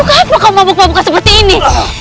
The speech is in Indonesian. untuk apa kau mabuk mabuk seperti ini